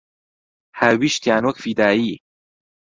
هاویشتیان وەک فیدایی